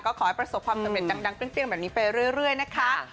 ขอให้ประสบความสำเร็จดังเปรี้ยงแบบนี้ไปเรื่อยนะคะ